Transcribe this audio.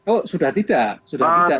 oh sudah tidak